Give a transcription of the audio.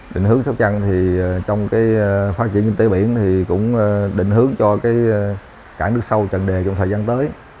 định hướng sóc trăng thì trong phát triển kinh tế biển thì cũng định hướng cho cảng nước sâu trần đề trong thời gian tới